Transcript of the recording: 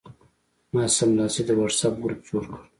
ما سملاسي د وټساپ ګروپ جوړ کړ.